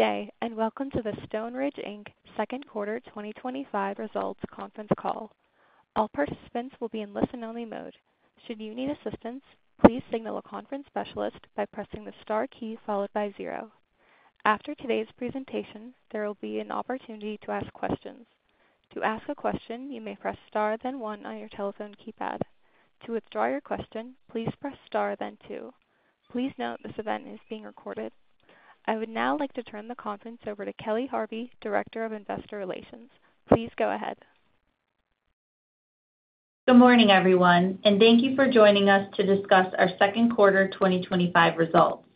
Today, and welcome to the Stoneridge, Inc. Second Quarter 2025 Results Conference Call. All participants will be in listen-only mode. Should you need assistance, please signal a conference specialist by pressing the star key followed by zero. After today's presentation, there will be an opportunity to ask questions. To ask a question, you may press star then one on your telephone keypad. To withdraw your question, please press star then two. Please note this event is being recorded. I would now like to turn the conference over to Kelly Harvey, Director of Investor Relations. Please go ahead. Good morning, everyone, and thank you for joining us to discuss our second quarter 2025 results.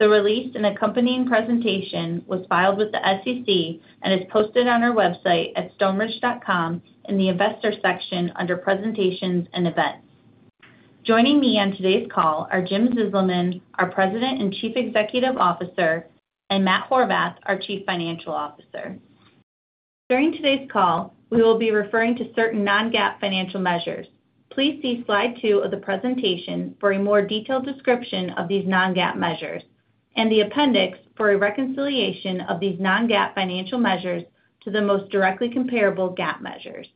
The release and accompanying presentation was filed with the SEC and is posted on our website at stoneridge.com in the investor section under presentations and events. Joining me on today's call are James Zizelman, our President and Chief Executive Officer, and Matt Horvath, our Chief Financial Officer. During today's call, we will be referring to certain non-GAAP financial measures. Please see slide two of the presentation for a more detailed description of these non-GAAP measures and the appendix for a reconciliation of these non-GAAP financial measures to the most directly comparable GAAP measures.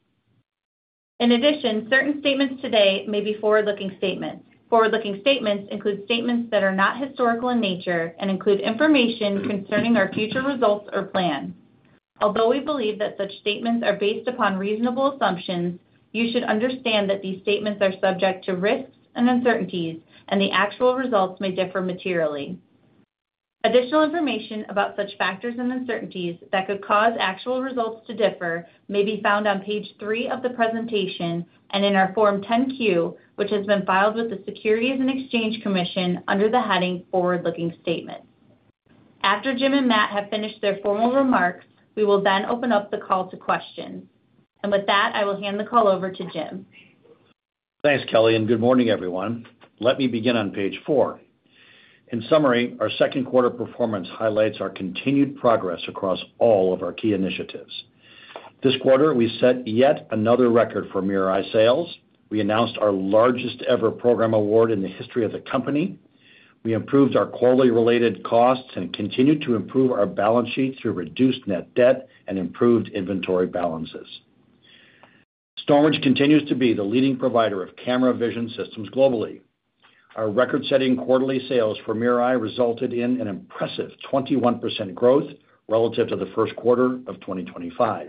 In addition, certain statements today may be forward-looking statements. Forward-looking statements include statements that are not historical in nature and include information concerning our future results or plan. Although we believe that such statements are based upon reasonable assumptions, you should understand that these statements are subject to risks and uncertainties, and the actual results may differ materially. Additional information about such factors and uncertainties that could cause actual results to differ may be found on page three of the presentation and in our Form 10-Q, which has been filed with the Securities and Exchange Commission under the heading forward-looking statements. After Jim and Matt have finished their formal remarks, we will then open up the call to questions. With that, I will hand the call over to Jim. Thanks, Kelly, and good morning, everyone. Let me begin on page four. In summary, our second quarter performance highlights our continued progress across all of our key initiatives. This quarter, we set yet another record for MirrorEye sales. We announced our largest-ever program award in the history of the company. We improved our quality-related costs and continued to improve our balance sheet to reduce net debt and improve inventory balances. Stoneridge continues to be the leading provider of camera vision systems globally. Our record-setting quarterly sales for MirrorEye resulted in an impressive 21% growth relative to the first quarter of 2025.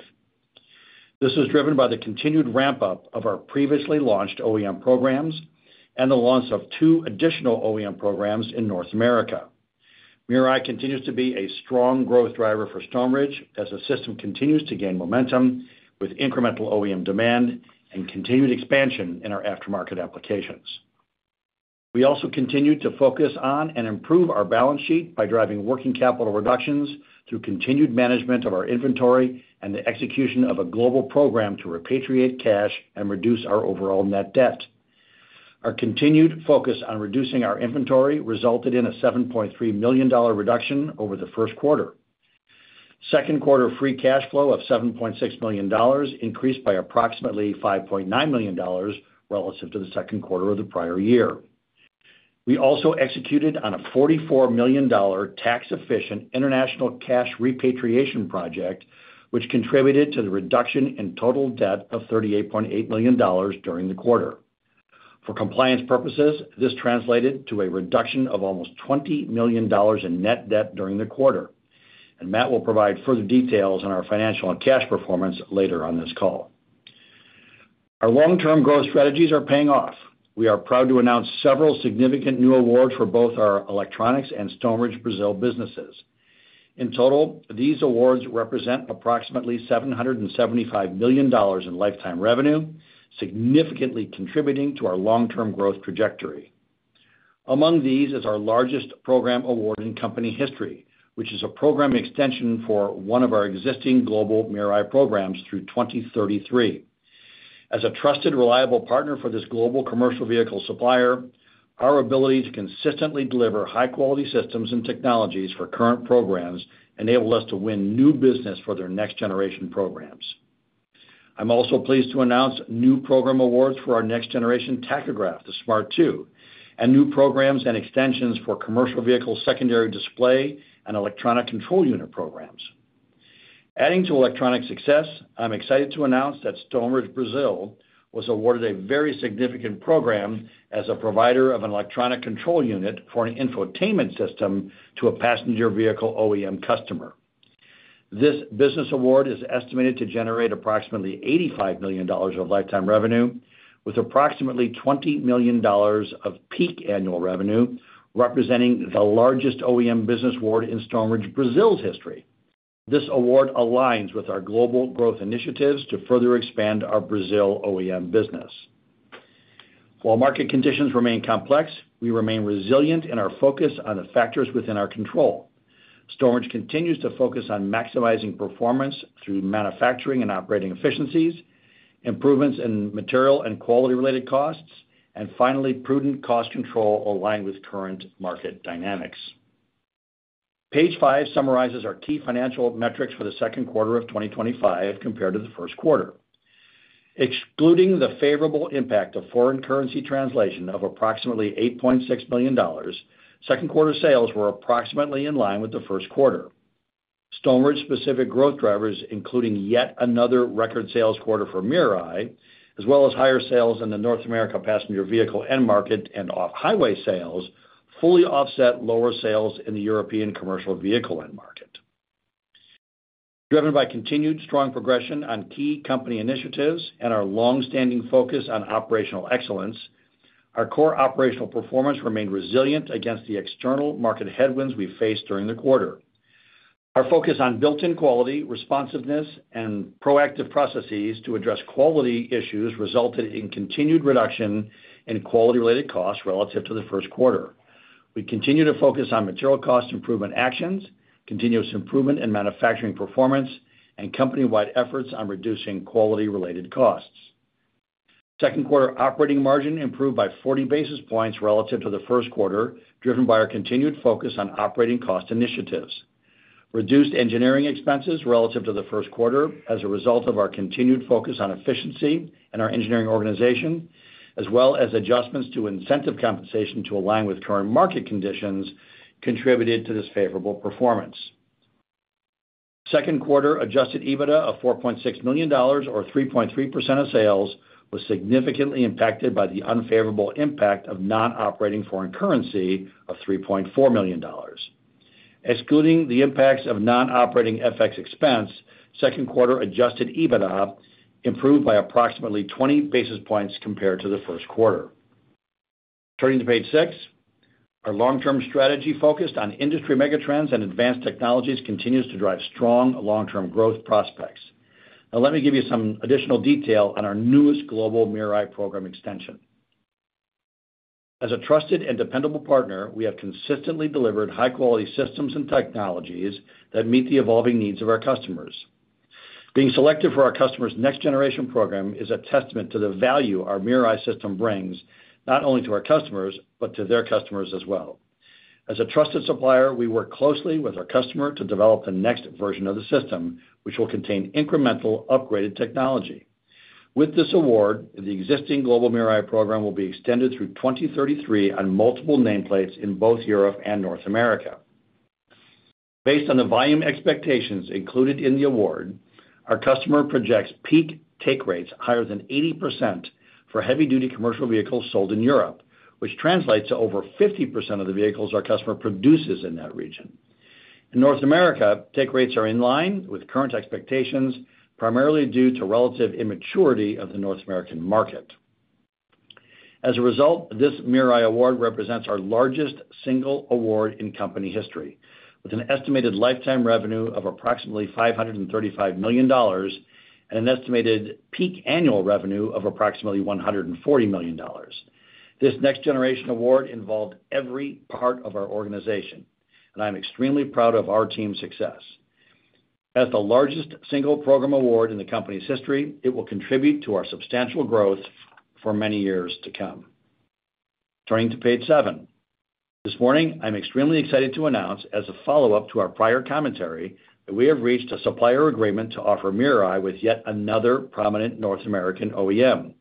This was driven by the continued ramp-up of our previously launched OEM programs and the launch of two additional OEM programs in North America. MirrorEye continues to be a strong growth driver for Stoneridge as the system continues to gain momentum with incremental OEM demand and continued expansion in our aftermarket applications. We also continue to focus on and improve our balance sheet by driving working capital reductions through continued management of our inventory and the execution of a global program to repatriate cash and reduce our overall net debt. Our continued focus on reducing our inventory resulted in a $7.3 million reduction over the first quarter. Second quarter free cash flow of $7.6 million increased by approximately $5.9 million relative to the second quarter of the prior year. We also executed on a $44 million tax-efficient international cash repatriation project, which contributed to the reduction in total debt of $38.8 million during the quarter. For compliance purposes, this translated to a reduction of almost $20 million in net debt during the quarter. Matt will provide further details on our financial and cash performance later on this call. Our long-term growth strategies are paying off. We are proud to announce several significant new awards for both our electronics and Stoneridge Brazil businesses. In total, these awards represent approximately $775 million in lifetime revenue, significantly contributing to our long-term growth trajectory. Among these is our largest program award in company history, which is a program extension for one of our existing global MirrorEye programs through 2033. As a trusted, reliable partner for this global commercial vehicle supplier, our ability to consistently deliver high-quality systems and technologies for current programs enables us to win new business for their next-generation programs. I'm also pleased to announce new program awards for our next-generation tachograph, the Smart 2, and new programs and extensions for commercial vehicle secondary display and electronic control unit programs. Adding to electronic success, I'm excited to announce that Stoneridge Brazil was awarded a very significant program as a provider of an electronic control unit for an infotainment system to a passenger vehicle OEM customer. This business award is estimated to generate approximately $85 million of lifetime revenue, with approximately $20 million of peak annual revenue, representing the largest OEM business award in Stoneridge Brazil's history. This award aligns with our global growth initiatives to further expand our Brazil OEM business. While market conditions remain complex, we remain resilient in our focus on the factors within our control. Stoneridge continues to focus on maximizing performance through manufacturing and operating efficiencies, improvements in material and quality-related costs, and finally, prudent cost control aligned with current market dynamics. Page five summarizes our key financial metrics for the second quarter of 2025 compared to the first quarter. Excluding the favorable impact of foreign currency translation of approximately $8.6 million, second quarter sales were approximately in line with the first quarter. Stoneridge-specific growth drivers, including yet another record sales quarter for MirrorEye as well as higher sales in the North America passenger vehicle end market and off-highway sales, fully offset lower sales in the European commercial vehicle end market. Driven by continued strong progression on key company initiatives and our long-standing focus on operational excellence, our core operational performance remained resilient against the external market headwinds we faced during the quarter. Our focus on built-in quality, responsiveness, and proactive processes to address quality issues resulted in continued reduction in quality-related costs relative to the first quarter. We continue to focus on material cost improvement actions, continuous improvement in manufacturing performance, and company-wide efforts on reducing quality-related costs. Second quarter operating margin improved by 40 basis points relative to the first quarter, driven by our continued focus on operating cost initiatives. Reduced engineering expenses relative to the first quarter as a result of our continued focus on efficiency and our engineering organization, as well as adjustments to incentive compensation to align with current market conditions, contributed to this favorable performance. Second quarter adjusted EBITDA of $4.6 million, or 3.3% of sales, was significantly impacted by the unfavorable impact of non-operating foreign currency of $3.4 million. Excluding the impacts of non-operating FX expense, second quarter adjusted EBITDA improved by approximately 20 basis points compared to the first quarter. Turning to page six, our long-term strategy focused on industry megatrends and advanced technologies continues to drive strong long-term growth prospects. Now let me give you some additional detail on our newest global MirrorEye program extension. As a trusted and dependable partner, we have consistently delivered high-quality systems and technologies that meet the evolving needs of our customers. Being selected for our customer's next-generation program is a testament to the value our MirrorEye system brings, not only to our customers, but to their customers as well. As a trusted supplier, we work closely with our customer to develop the next version of the system, which will contain incremental upgraded technology. With this award, the existing global MirrorEye program will be extended through 2033 on multiple nameplates in both Europe and North America. Based on the volume expectations included in the award, our customer projects peak take rates higher than 80% for heavy-duty commercial vehicles sold in Europe, which translates to over 50% of the vehicles our customer produces in that region. In North America, take rates are in line with current expectations, primarily due to relative immaturity of the North American market. As a result, this MirrorEye award represents our largest single award in company history, with an estimated lifetime revenue of approximately $535 million and an estimated peak annual revenue of approximately $140 million. This next-generation award involved every part of our organization, and I'm extremely proud of our team's success. As the largest single program award in the company's history, it will contribute to our substantial growth for many years to come. Turning to page seven. This morning, I'm extremely excited to announce, as a follow-up to our prior commentary, that we have reached a supplier agreement to offer MirrorEye with yet another prominent North American OEM.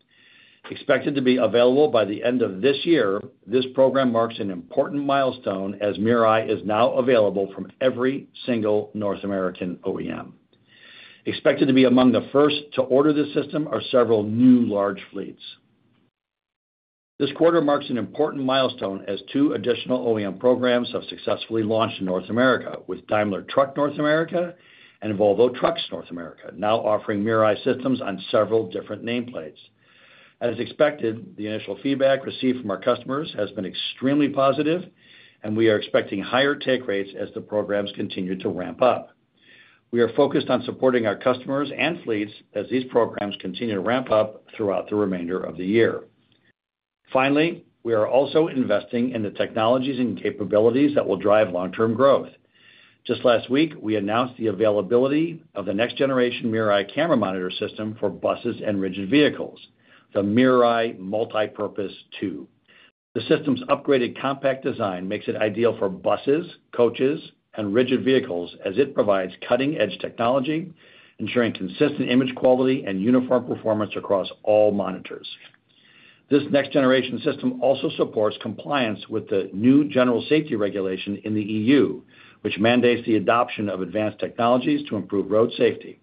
Expected to be available by the end of this year, this program marks an important milestone as MirrorEye is now available from every single North American OEM. Expected to be among the first to order this system are several new large fleets. This quarter marks an important milestone as two additional OEM programs have successfully launched in North America, with Daimler Truck North America and Volvo Trucks North America now offering MirrorEye systems on several different nameplates. As expected, the initial feedback received from our customers has been extremely positive, and we are expecting higher take rates as the programs continue to ramp up. We are focused on supporting our customers and fleets as these programs continue to ramp up throughout the remainder of the year. Finally, we are also investing in the technologies and capabilities that will drive long-term growth. Just last week, we announced the availability of the next-generation MirrorEye camera monitor system for buses and rigid vehicles, the MirrorEye Multi-Purpose II. The system's upgraded compact design makes it ideal for buses, coaches, and rigid vehicles as it provides cutting-edge technology, ensuring consistent image quality and uniform performance across all monitors. This next-generation system also supports compliance with the new General Safety Regulation in the E.U., which mandates the adoption of advanced technologies to improve road safety.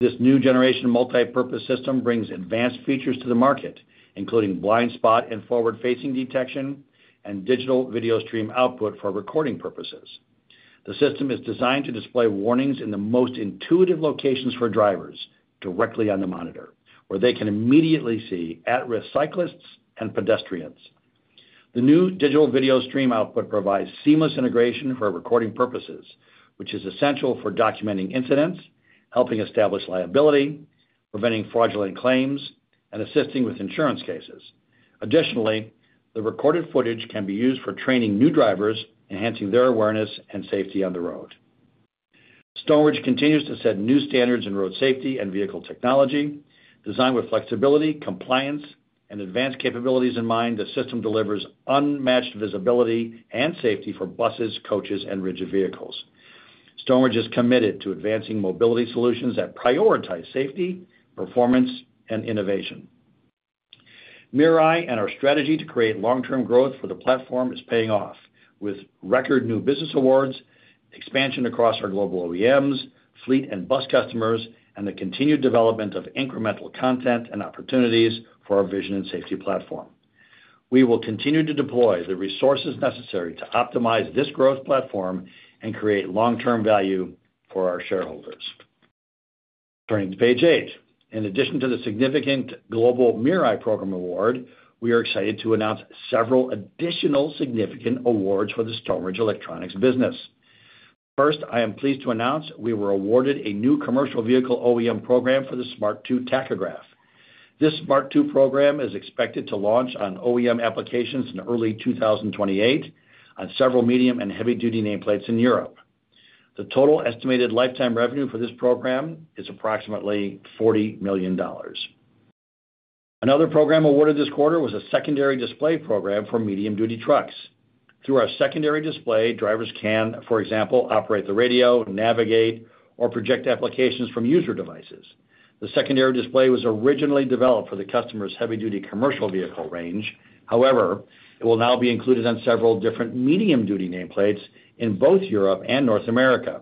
This new generation multi-purpose system brings advanced features to the market, including blind spot and forward-facing detection and digital video stream output for recording purposes. The system is designed to display warnings in the most intuitive locations for drivers directly on the monitor, where they can immediately see at-risk cyclists and pedestrians. The new digital video stream output provides seamless integration for recording purposes, which is essential for documenting incidents, helping establish liability, preventing fraudulent claims, and assisting with insurance cases. Additionally, the recorded footage can be used for training new drivers, enhancing their awareness and safety on the road. Stoneridge continues to set new standards in road safety and vehicle technology. Designed with flexibility, compliance, and advanced capabilities in mind, the system delivers unmatched visibility and safety for buses, coaches, and rigid vehicles. Stoneridge is committed to advancing mobility solutions that prioritize safety, performance, and innovation. MirrorEye and our strategy to create long-term growth for the platform is paying off with record new business awards, expansion across our global OEMs, fleet and bus customers, and the continued development of incremental content and opportunities for our vision and safety platform. We will continue to deploy the resources necessary to optimize this growth platform and create long-term value for our shareholders. Turning to page eight. In addition to the significant global MirrorEye program award, we are excited to announce several additional significant awards for the Stoneridge Electronics business. First, I am pleased to announce we were awarded a new commercial vehicle OEM program for the Smart 2 tachograph. This Smart 2 program is expected to launch on OEM applications in early 2028 on several medium and heavy-duty nameplates in Europe. The total estimated lifetime revenue for this program is approximately $40 million. Another program awarded this quarter was a secondary display program for medium-duty trucks. Through our secondary display, drivers can, for example, operate the radio, navigate, or project applications from user devices. The secondary display was originally developed for the customer's heavy-duty commercial vehicle range, however, it will now be included on several different medium-duty nameplates in both Europe and North America.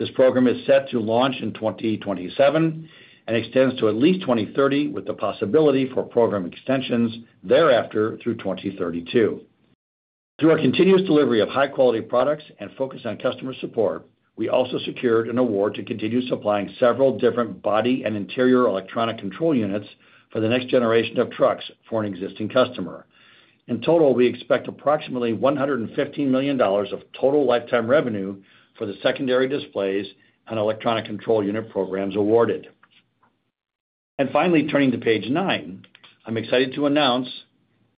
This program is set to launch in 2027 and extends to at least 2030, with the possibility for program extensions thereafter through 2032. Through our continuous delivery of high-quality products and focus on customer support, we also secured an award to continue supplying several different body and interior electronic control units for the next generation of trucks for an existing customer. In total, we expect approximately $115 million of total lifetime revenue for the secondary displays and electronic control unit programs awarded. Finally, turning to page nine, I'm excited to announce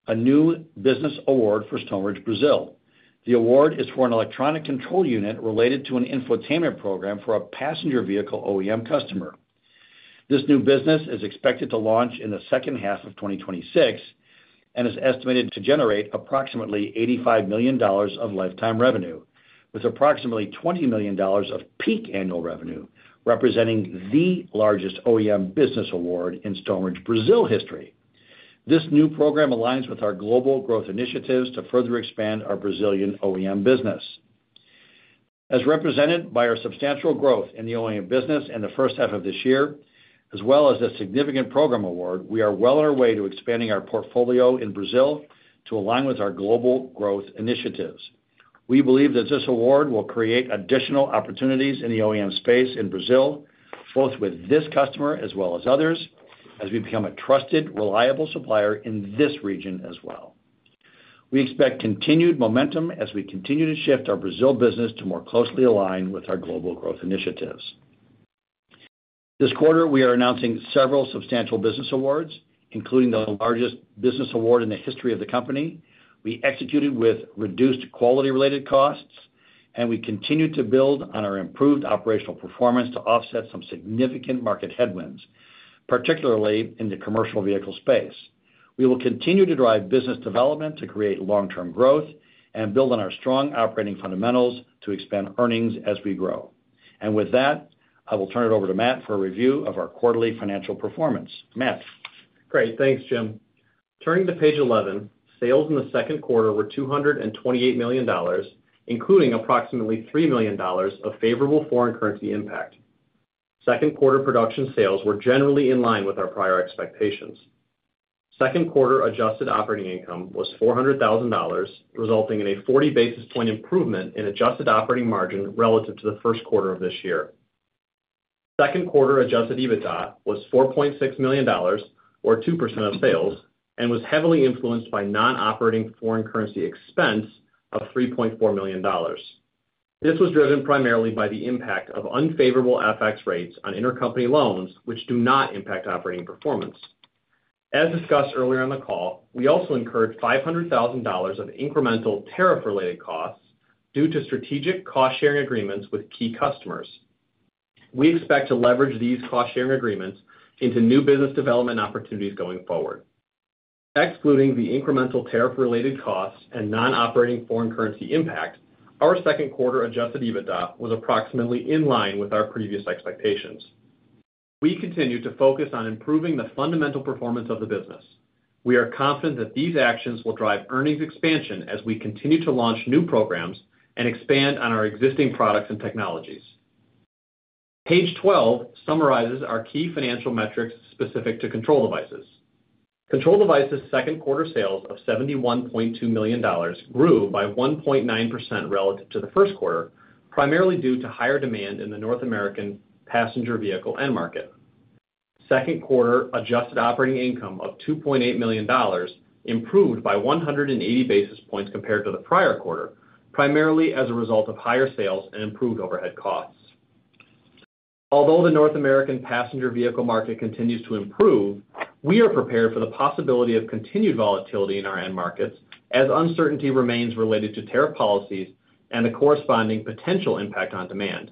a new business award for Stoneridge Brazil. The award is for an electronic control unit related to an infotainment program for a passenger vehicle OEM customer. This new business is expected to launch in the second half of 2026 and is estimated to generate approximately $85 million of lifetime revenue, with approximately $20 million of peak annual revenue, representing the largest OEM business award in Stoneridge Brazil history. This new program aligns with our global growth initiatives to further expand our Brazilian OEM business. As represented by our substantial growth in the OEM business in the first half of this year, as well as a significant program award, we are well on our way to expanding our portfolio in Brazil to align with our global growth initiatives. We believe that this award will create additional opportunities in the OEM space in Brazil, both with this customer as well as others, as we become a trusted, reliable supplier in this region as well. We expect continued momentum as we continue to shift our Brazil business to more closely align with our global growth initiatives. This quarter, we are announcing several substantial business awards, including the largest business award in the history of the company. We executed with reduced quality-related costs, and we continue to build on our improved operational performance to offset some significant market headwinds, particularly in the commercial vehicle space. We will continue to drive business development to create long-term growth and build on our strong operating fundamentals to expand earnings as we grow. With that, I will turn it over to Matt for a review of our quarterly financial performance. Matt. Great, thanks, Jim. Turning to page 11, sales in the second quarter were $228 million, including approximately $3 million of favorable foreign currency impact. Second quarter production sales were generally in line with our prior expectations. Second quarter adjusted operating income was $400,000, resulting in a 40 basis point improvement in adjusted operating margin relative to the first quarter of this year. Second quarter adjusted EBITDA was $4.6 million, or 2% of sales, and was heavily influenced by non-operating foreign currency expense of $3.4 million. This was driven primarily by the impact of unfavorable FX rates on intercompany loans, which do not impact operating performance. As discussed earlier on the call, we also incurred $500,000 of incremental tariff-related costs due to strategic cost-sharing agreements with key customers. We expect to leverage these cost-sharing agreements into new business development opportunities going forward. Excluding the incremental tariff-related costs and non-operating foreign currency impact, our second quarter adjusted EBITDA was approximately in line with our previous expectations. We continue to focus on improving the fundamental performance of the business. We are confident that these actions will drive earnings expansion as we continue to launch new programs and expand on our existing products and technologies. Page 12 summarizes our key financial metrics specific to control devices. Control devices' second quarter sales of $71.2 million grew by 1.9% relative to the first quarter, primarily due to higher demand in the North American passenger vehicle end market. Second quarter adjusted operating income of $2.8 million improved by 180 basis points compared to the prior quarter, primarily as a result of higher sales and improved overhead costs. Although the North American passenger vehicle market continues to improve, we are prepared for the possibility of continued volatility in our end markets as uncertainty remains related to tariff policies and the corresponding potential impact on demand.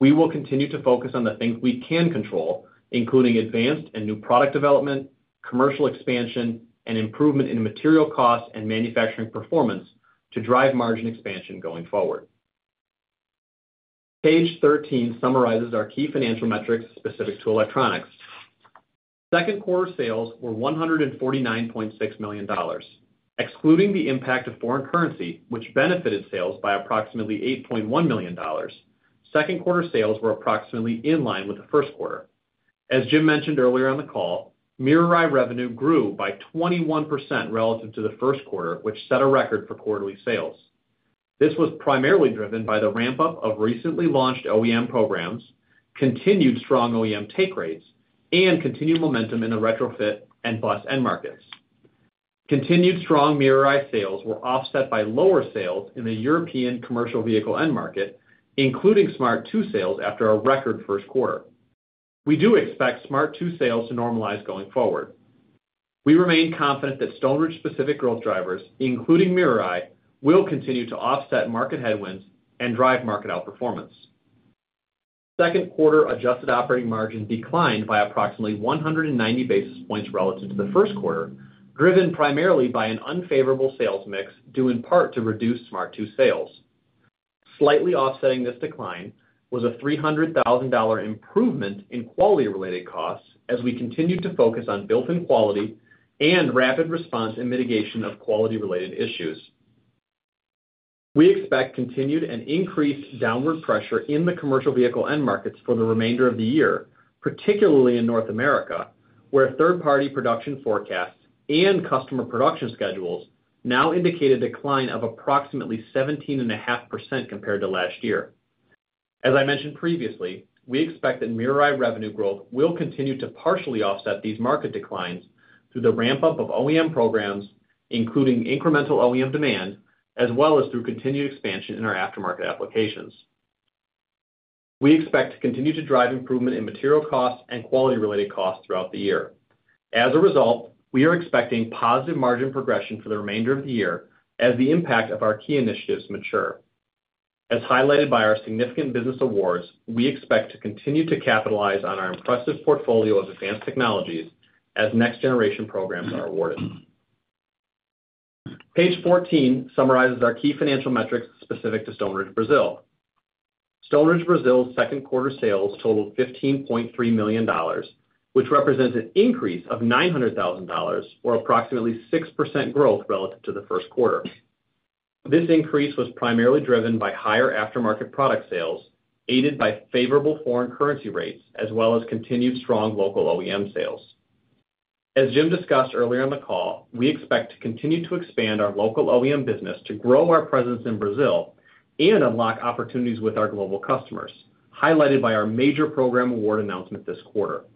We will continue to focus on the things we can control, including advanced and new product development, commercial expansion, and improvement in material costs and manufacturing performance to drive margin expansion going forward. Page 13 summarizes our key financial metrics specific to electronics. Second quarter sales were $149.6 million. Excluding the impact of foreign currency, which benefited sales by approximately $8.1 million, second quarter sales were approximately in line with the first quarter. As Jim mentioned earlier on the call, MirrorEye revenue grew by 21% relative to the first quarter, which set a record for quarterly sales. This was primarily driven by the ramp-up of recently launched OEM programs, continued strong OEM take rates, and continued momentum in the retrofit and bus end markets. Continued strong MirrorEye sales were offset by lower sales in the European commercial vehicle end market, including Smart 2 sales after a record first quarter. We do expect Smart 2 sales to normalize going forward. We remain confident that Stoneridge-specific growth drivers, including MirrorEye, will continue to offset market headwinds and drive market outperformance. Second quarter adjusted operating margin declined by approximately 190 basis points relative to the first quarter, driven primarily by an unfavorable sales mix due in part to reduced Smart 2 sales. Slightly offsetting this decline was a $300,000 improvement in quality-related costs as we continued to focus on built-in quality and rapid response and mitigation of quality-related issues. We expect continued and increased downward pressure in the commercial vehicle end markets for the remainder of the year, particularly in North America, where third-party production forecasts and customer production schedules now indicate a decline of approximately 17.5% compared to last year. As I mentioned previously, we expect that MirrorEye revenue growth will continue to partially offset these market declines through the ramp-up of OEM programs, including incremental OEM demand, as well as through continued expansion in our aftermarket applications. We expect to continue to drive improvement in material costs and quality-related costs throughout the year. As a result, we are expecting positive margin progression for the remainder of the year as the impact of our key initiatives mature. As highlighted by our significant business awards, we expect to continue to capitalize on our impressive portfolio of advanced technologies as next-generation programs are awarded. Page 14 summarizes our key financial metrics specific to Stoneridge Brazil. Stoneridge Brazil's second quarter sales totaled $15.3 million, which represents an increase of $900,000, or approximately 6% growth relative to the first quarter. This increase was primarily driven by higher aftermarket product sales, aided by favorable foreign currency rates, as well as continued strong local OEM sales. As Jim discussed earlier on the call, we expect to continue to expand our local OEM business to grow our presence in Brazil and unlock opportunities with our global customers, highlighted by our major program award announcement this quarter.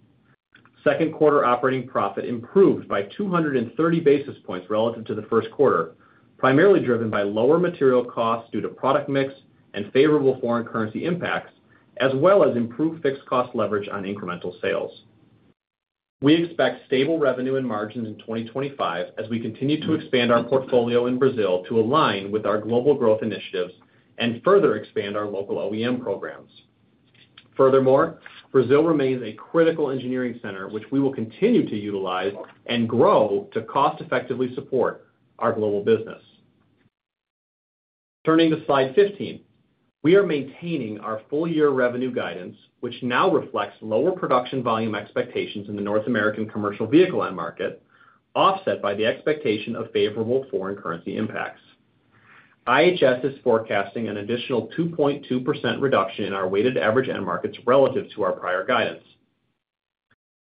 Second quarter operating profit improved by 230 basis points relative to the first quarter, primarily driven by lower material costs due to product mix and favorable foreign currency impacts, as well as improved fixed cost leverage on incremental sales. We expect stable revenue and margins in 2025 as we continue to expand our portfolio in Brazil to align with our global growth initiatives and further expand our local OEM programs. Furthermore, Brazil remains a critical engineering center, which we will continue to utilize and grow to cost-effectively support our global business. Turning to slide 15, we are maintaining our full-year revenue guidance, which now reflects lower production volume expectations in the North American commercial vehicle end market, offset by the expectation of favorable foreign currency impacts. IHS is forecasting an additional 2.2% reduction in our weighted average end markets relative to our prior guidance.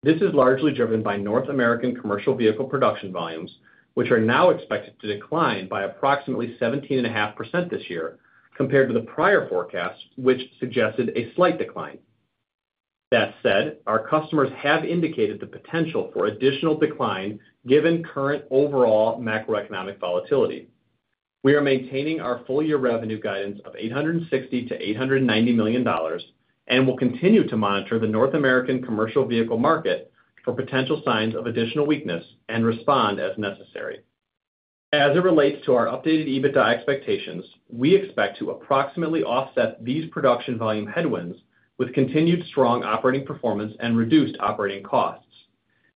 This is largely driven by North American commercial vehicle production volumes, which are now expected to decline by approximately 17.5% this year compared to the prior forecasts, which suggested a slight decline. That said, our customers have indicated the potential for additional decline given current overall macroeconomic volatility. We are maintaining our full-year revenue guidance of $860 million-$890 million and will continue to monitor the North American commercial vehicle market for potential signs of additional weakness and respond as necessary. As it relates to our updated EBITDA expectations, we expect to approximately offset these production volume headwinds with continued strong operating performance and reduced operating costs.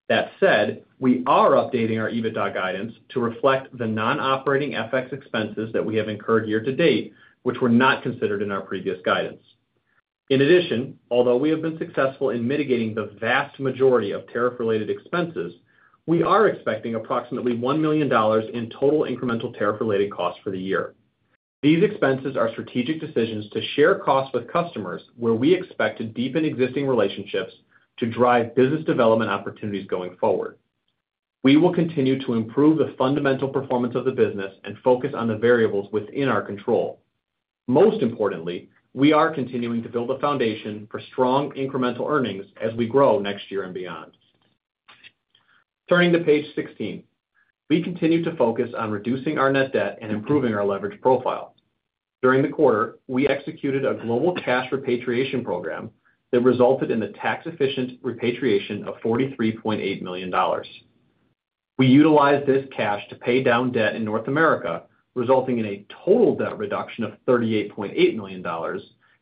That said, we are updating our EBITDA guidance to reflect the non-operating FX expenses that we have incurred year to date, which were not considered in our previous guidance. In addition, although we have been successful in mitigating the vast majority of tariff-related expenses, we are expecting approximately $1 million in total incremental tariff-related costs for the year. These expenses are strategic decisions to share costs with customers, where we expect to deepen existing relationships to drive business development opportunities going forward. We will continue to improve the fundamental performance of the business and focus on the variables within our control. Most importantly, we are continuing to build a foundation for strong incremental earnings as we grow next year and beyond. Turning to page 16, we continue to focus on reducing our net debt and improving our leverage profile. During the quarter, we executed a global cash repatriation program that resulted in the tax-efficient repatriation of $43.8 million. We utilized this cash to pay down debt in North America, resulting in a total debt reduction of $38.8 million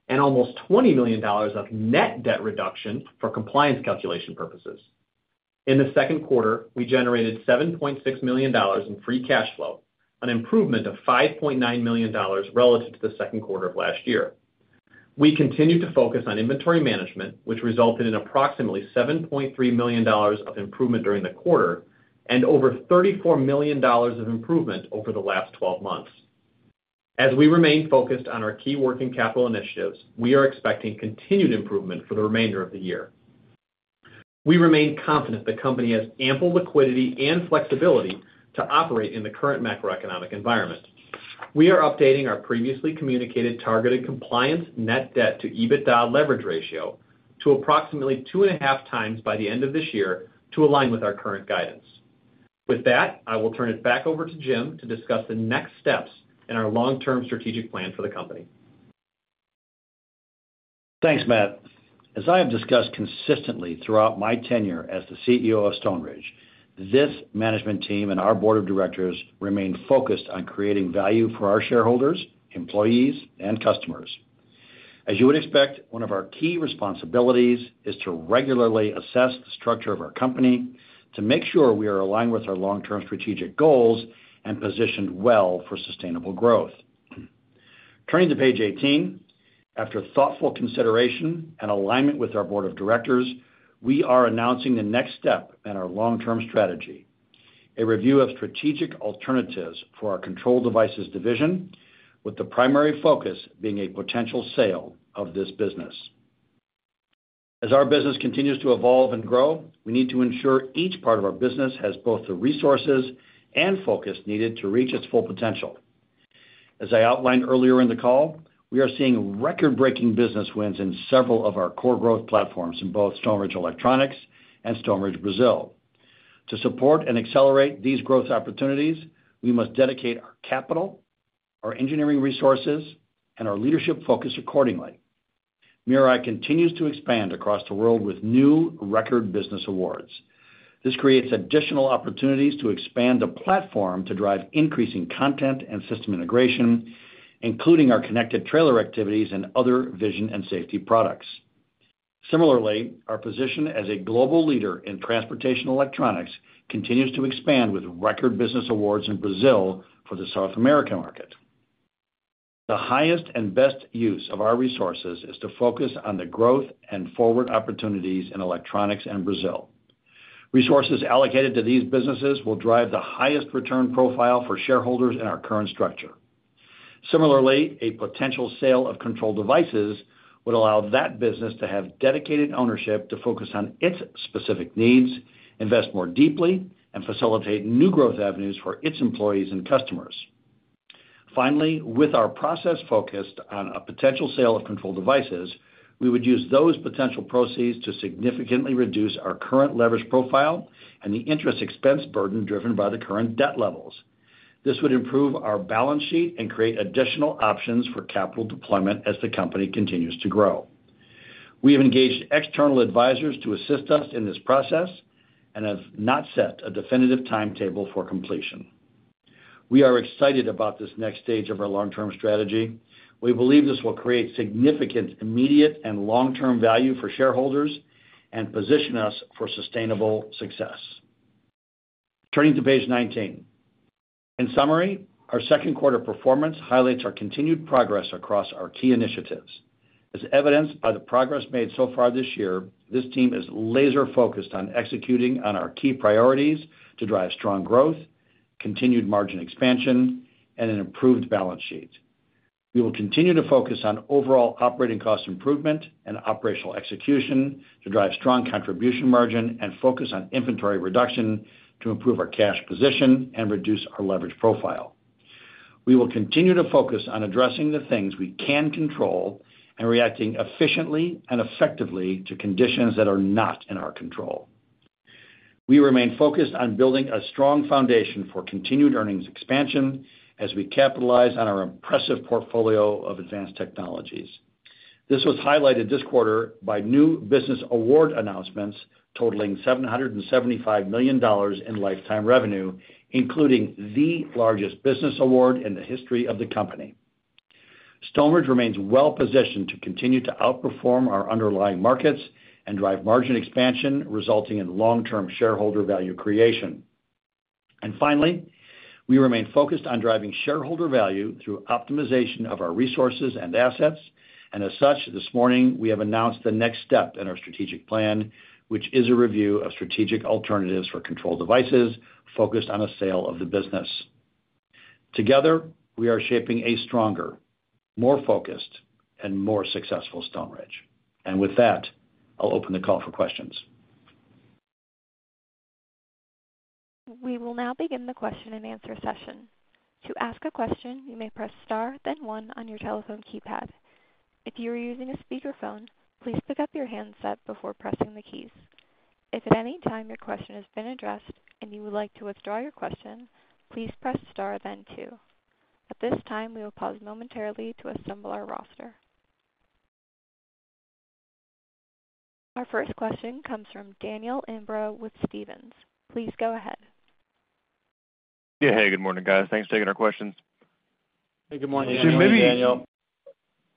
and almost $20 million of net debt reduction for compliance calculation purposes. In the second quarter, we generated $7.6 million in free cash flow, an improvement of $5.9 million relative to the second quarter of last year. We continued to focus on inventory management, which resulted in approximately $7.3 million of improvement during the quarter and over $34 million of improvement over the last 12 months. As we remain focused on our key working capital initiatives, we are expecting continued improvement for the remainder of the year. We remain confident the company has ample liquidity and flexibility to operate in the current macroeconomic environment. We are updating our previously communicated targeted compliance net debt to EBITDA leverage ratio to approximately 2.5x by the end of this year to align with our current guidance. With that, I will turn it back over to Jim to discuss the next steps in our long-term strategic plan for the company. Thanks, Matt. As I have discussed consistently throughout my tenure as the CEO of Stoneridge, this management team and our Board of Directors remain focused on creating value for our shareholders, employees, and customers. As you would expect, one of our key responsibilities is to regularly assess the structure of our company to make sure we are aligned with our long-term strategic goals and positioned well for sustainable growth. Turning to page 18, after thoughtful consideration and alignment with our Board of Directors, we are announcing the next step in our long-term strategy: a review of strategic alternatives for our control devices division, with the primary focus being a potential sale of this business. As our business continues to evolve and grow, we need to ensure each part of our business has both the resources and focus needed to reach its full potential. As I outlined earlier in the call, we are seeing record-breaking business wins in several of our core growth platforms in both Stoneridge Electronics and Stoneridge Brazil. To support and accelerate these growth opportunities, we must dedicate our capital, our engineering resources, and our leadership focus accordingly. MirrorEye continues to expand across the world with new record business awards. This creates additional opportunities to expand the platform to drive increasing content and system integration, including our connected trailer activities and other vision and safety products. Similarly, our position as a global leader in transportation electronics continues to expand with record business awards in Brazil for the South American market. The highest and best use of our resources is to focus on the growth and forward opportunities in electronics in Brazil. Resources allocated to these businesses will drive the highest return profile for shareholders in our current structure. Similarly, a potential sale of control devices would allow that business to have dedicated ownership to focus on its specific needs, invest more deeply, and facilitate new growth avenues for its employees and customers. Finally, with our process focused on a potential sale of control devices, we would use those potential proceeds to significantly reduce our current leverage profile and the interest expense burden driven by the current debt levels. This would improve our balance sheet and create additional options for capital deployment as the company continues to grow. We have engaged external advisors to assist us in this process and have not set a definitive timetable for completion. We are excited about this next stage of our long-term strategy. We believe this will create significant immediate and long-term value for shareholders and position us for sustainable success. Turning to page 19. In summary, our second quarter performance highlights our continued progress across our key initiatives. As evidenced by the progress made so far this year, this team is laser-focused on executing on our key priorities to drive strong growth, continued margin expansion, and an improved balance sheet. We will continue to focus on overall operating cost improvement and operational execution to drive strong contribution margin and focus on inventory reduction to improve our cash position and reduce our leverage profile. We will continue to focus on addressing the things we can control and reacting efficiently and effectively to conditions that are not in our control. We remain focused on building a strong foundation for continued earnings expansion as we capitalize on our impressive portfolio of advanced technologies. This was highlighted this quarter by new business award announcements totaling $775 million in lifetime revenue, including the largest business award in the history of the company. Stoneridge remains well-positioned to continue to outperform our underlying markets and drive margin expansion, resulting in long-term shareholder value creation. Finally, we remain focused on driving shareholder value through optimization of our resources and assets. As such, this morning, we have announced the next step in our strategic plan, which is a review of strategic alternatives for control devices focused on a sale of the business. Together, we are shaping a stronger, more focused, and more successful Stoneridge. With that, I'll open the call for questions. We will now begin the question and answer session. To ask a question, you may press star, then one on your telephone keypad. If you are using a speakerphone, please pick up your handset before pressing the keys. If at any time your question has been addressed and you would like to withdraw your question, please press star, then two. At this time, we will pause momentarily to assemble our roster. Our first question comes from Daniel Imbro with Stephens. Please go ahead. Yeah, hey, good morning, guys. Thanks for taking our questions. Hey, good morning, Daniel. Hey,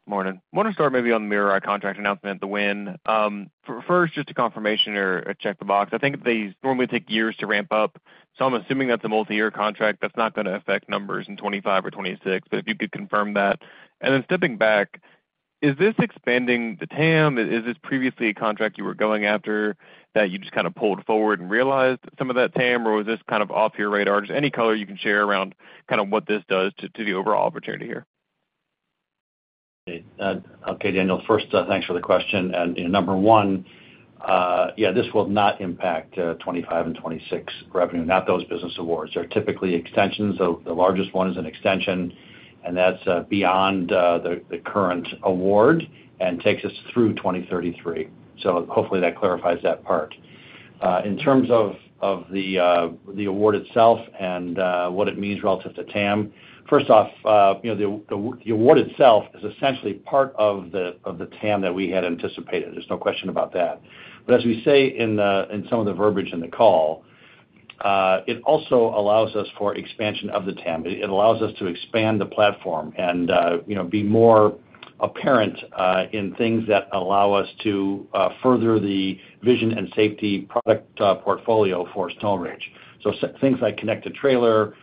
Jim, maybe. Morning, Daniel. Morning. Wanted to start maybe on the MirrorEye contract announcement, the win. First, just a confirmation or a check the box. I think they normally take years to ramp up. I'm assuming that's a multi-year contract. That's not going to affect numbers in 2025 or 2026, but if you could confirm that. Stepping back, is this expanding the TAM? Is this previously a contract you were going after that you just kind of pulled forward and realized some of that TAM, or was this kind of off your radar? Any color you can share around what this does to the overall opportunity here. Okay, Daniel. First, thanks for the question. Number one, yeah, this will not impact 2025 and 2026 revenue, not those business awards. They're typically extensions. The largest one is an extension, and that's beyond the current award and takes us through 2033. Hopefully that clarifies that part. In terms of the award itself and what it means relative to TAM, first off, you know the award itself is essentially part of the TAM that we had anticipated. There's no question about that. As we say in some of the verbiage in the call, it also allows us for expansion of the TAM. It allows us to expand the platform and be more apparent in things that allow us to further the vision and safety product portfolio for Stoneridge. Things like connected trailer,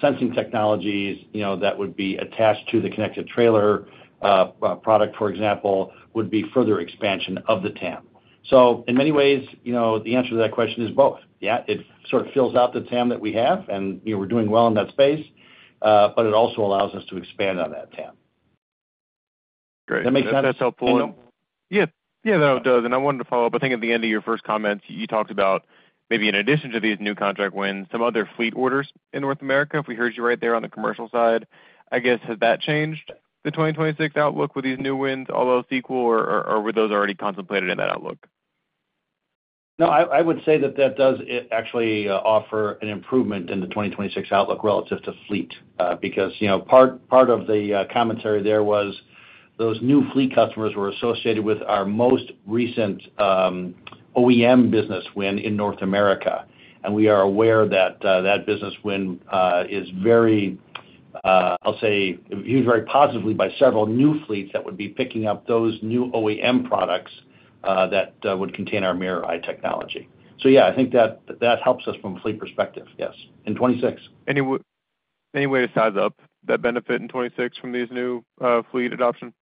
sensing technologies that would be attached to the connected trailer product, for example, would be further expansion of the TAM. In many ways, the answer to that question is both. Yeah, it sort of fills out the TAM that we have, and we're doing well in that space, but it also allows us to expand on that TAM. Great. Does that make sense? That's helpful. Yeah. Yeah, that does. I wanted to follow up. I think at the end of your first comment, you talked about maybe in addition to these new contract wins, some other fleet orders in North America. If we heard you right there on the commercial side, I guess has that changed the 2026 outlook with these new wins, although it's equal, or were those already contemplated in that outlook? No, I would say that does actually offer an improvement in the 2026 outlook relative to fleet because part of the commentary there was those new fleet customers were associated with our most recent OEM business win in North America. We are aware that this business win is, I'll say, viewed very positively by several new fleets that would be picking up those new OEM products that would contain our MirrorEye technology. I think that helps us from a fleet perspective, yes, in 2026. Any way to size up that benefit in 2026 from these new fleet adoption?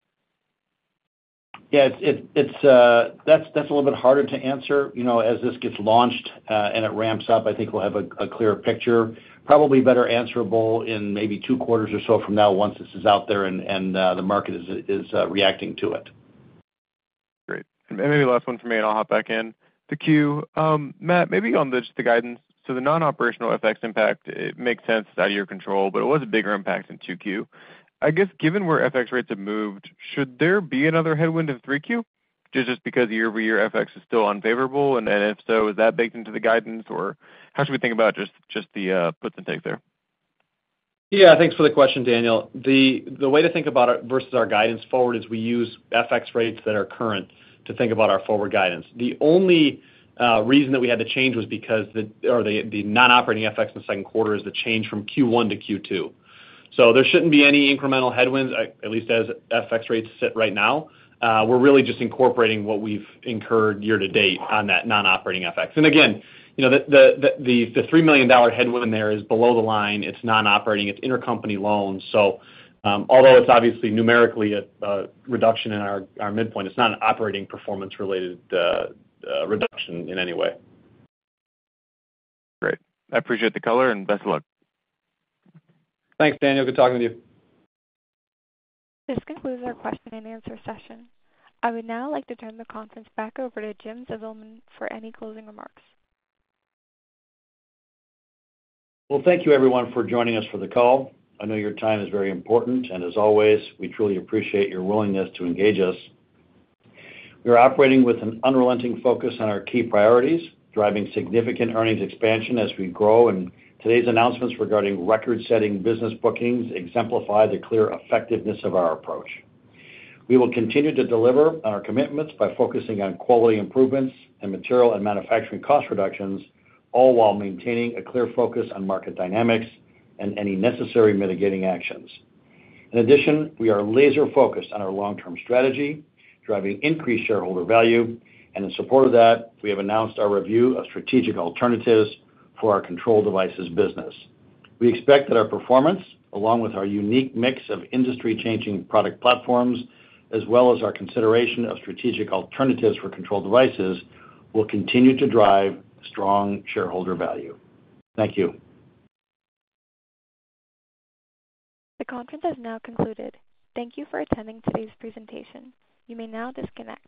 That's a little bit harder to answer. As this gets launched and it ramps up, I think we'll have a clearer picture, probably better answerable in maybe two quarters or so from now once this is out there and the market is reacting to it. Great. Maybe the last one for me, and I'll hop back in. The question, Matt, maybe on just the guidance. The non-operational FX impact makes sense, out of your control, but it was a bigger impact in Q2. I guess given where FX rates have moved, should there be another headwind in Q3? Just because year-over-year FX is still unfavorable, and if so, is that baked into the guidance, or how should we think about just the puts and takes there? Yeah, thanks for the question, Daniel. The way to think about it versus our guidance forward is we use FX rates that are current to think about our forward guidance. The only reason that we had to change was because the non-operating FX in the second quarter is the change from Q1 to Q2. There shouldn't be any incremental headwinds, at least as FX rates sit right now. We're really just incorporating what we've incurred year to date on that non-operating FX. Again, you know the $3 million headwind there is below the line. It's non-operating. It's intercompany loans. Although it's obviously numerically a reduction in our midpoint, it's not an operating performance-related reduction in any way. Great. I appreciate the color and best of luck. Thanks, Daniel. Good talking with you. This concludes our question and answer session. I would now like to turn the conference back over to James Zizelman for any closing remarks. Thank you, everyone, for joining us for the call. I know your time is very important, and as always, we truly appreciate your willingness to engage us. We are operating with an unrelenting focus on our key priorities, driving significant earnings expansion as we grow, and today's announcements regarding record-setting business bookings exemplify the clear effectiveness of our approach. We will continue to deliver on our commitments by focusing on quality improvements and material and manufacturing cost reductions, all while maintaining a clear focus on market dynamics and any necessary mitigating actions. In addition, we are laser-focused on our long-term strategy, driving increased shareholder value, and in support of that, we have announced our review of strategic alternatives for our control devices business. We expect that our performance, along with our unique mix of industry-changing product platforms, as well as our consideration of strategic alternatives for control devices, will continue to drive strong shareholder value. Thank you. The conference is now concluded. Thank you for attending today's presentation. You may now disconnect.